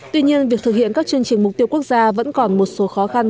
tuy nhiên việc thực hiện các chương trình mục tiêu quốc gia vẫn còn một số khó khăn